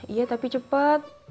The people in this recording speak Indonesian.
iya tapi cepet